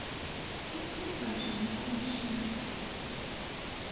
Maɣef ay teṛjam akk anect-a?